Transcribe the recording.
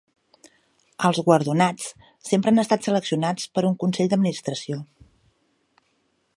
Els guardonats sempre han estat seleccionats per un consell d'administració.